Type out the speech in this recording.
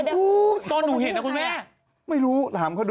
ตอนหนูเห็นนะคุณแม่ไม่รู้ถามเขาดู